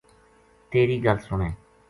تیری گل سُنے